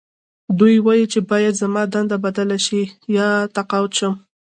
دوی وايي چې باید زما دنده بدله شي یا تقاعد شم